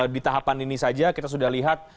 di tahapan ini saja kita sudah lihat